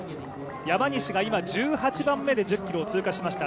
山西が今、１８番目で１０ｋｍを通過しました。